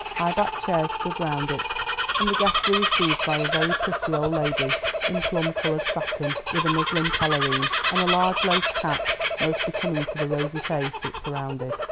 High backed chairs stood round it, and the guests were received by a very pretty old lady in plum colored satin, with a muslin pelerine, and a large lace cap most becoming to the rosy face it surrounded.